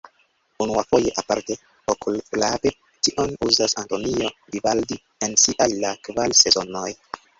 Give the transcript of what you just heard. Unuafoje aparte okulfrape tion uzas Antonio Vivaldi en siaj La kvar sezonoj.